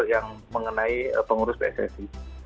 yang mengenai pengurus pssi